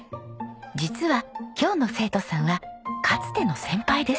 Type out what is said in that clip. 実は今日の生徒さんはかつての先輩です。